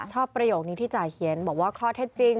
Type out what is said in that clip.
ประโยคนี้ที่จ่ายเขียนบอกว่าข้อเท็จจริง